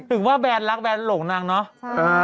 จึงว่าแบรนด์รักแบรนด์หลงนังเนอะ